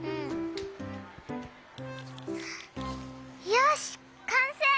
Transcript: よしかんせい！